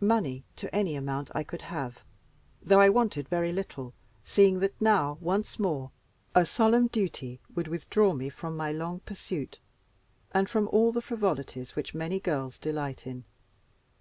Money, to any amount, I could have, though I wanted very little, seeing that now, once more, a solemn duty would withdraw me from my long pursuit, and from all the frivolities which many girls delight in.